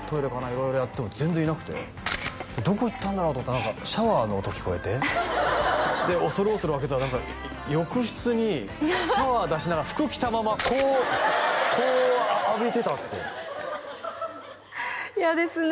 色々やっても全然いなくてどこ行ったんだろう？と思ったら何かシャワーの音聞こえて恐る恐る開けたら何か浴室にシャワー出しながら服着たままこうこう浴びてたって嫌ですね